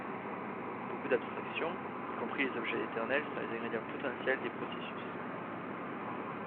Beaucoup d'abstractions, y compris les objets éternels, sont les ingrédients potentiels des processus.